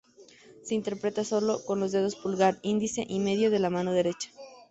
Se interpreta sólo con los dedos pulgar, índice y medio de la mano derecha.